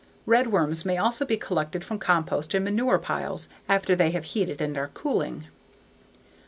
Redworms may also be collected from compost and manure piles after they have heated and are cooling.